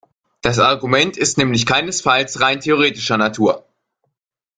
Das Argument ist nämlich keinesfalls rein theoretischer Natur.